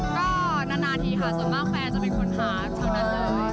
ก็นานทีค่ะส่วนมากแฟนจะเป็นคนหาแถวนั้นเลย